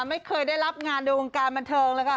ไม่เคยได้รับงานในวงการบันเทิงเลยค่ะ